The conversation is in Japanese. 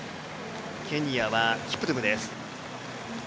ケニアはキプトゥムです。